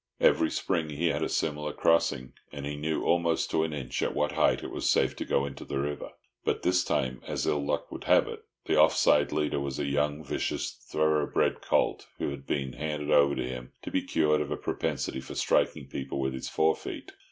Every spring he had a similar crossing, and he knew almost to an inch at what height it was safe to go into the river. But this time, as ill luck would have it, the off side leader was a young, vicious, thorough bred colt, who had been handed over to him to be cured of a propensity for striking people with his fore feet.